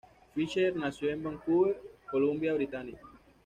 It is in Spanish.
Fisher nació en Vancouver, Columbia Británica.